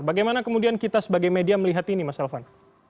bagaimana kemudian kita sebagai media melihat ini mas elvan